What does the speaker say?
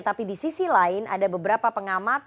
tapi di sisi lain ada beberapa pengamat